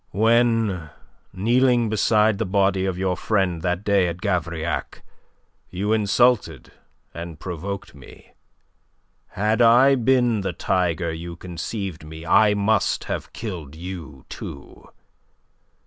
"When, kneeling beside the body of your friend that day at Gavrillac, you insulted and provoked me, had I been the tiger you conceived me I must have killed you too.